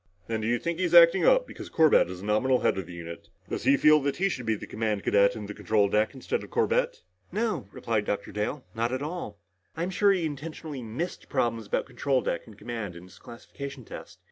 "Then, do you think he's acting up because Corbett is the nominal head of the unit? Does he feel that he should be the command cadet in the control deck instead of Corbett?" "No," replied Dr. Dale. "Not at all. I'm sure he intentionally missed problems about control deck and command in his classification test.